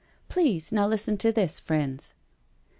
Please now listen to this, friends.